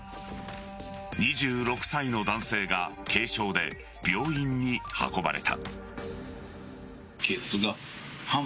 ２６歳の男性が軽傷で病院に運ばれた。